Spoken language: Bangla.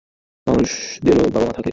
মানুষদেরও বাবা-মা থাকে?